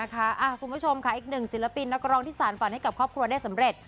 คุณผู้ชมค่ะอีกหนึ่งศิลปินนักร้องที่สารฝันให้กับครอบครัวได้สำเร็จ